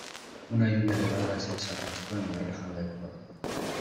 una lluvia de balas se aplastó en la reja del coro.